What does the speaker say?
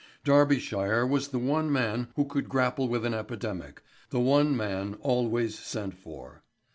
Darbyshire was the one man who could grapple with an epidemic, the one man always sent for.